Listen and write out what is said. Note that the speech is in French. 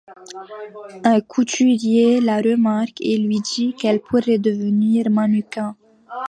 Un couturier la remarque et lui dit qu'elle pourrait devenir mannequin.